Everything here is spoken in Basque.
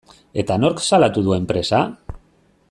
Eta nork salatu du enpresa?